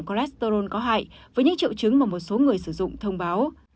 cholesterol có hại với những triệu chứng mà một số người sử dụng thông báo